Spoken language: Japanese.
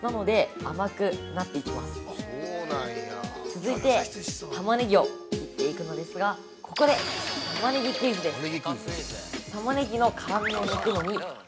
続いてタマネギを切っていくのですが、ここでタマネギクイズです。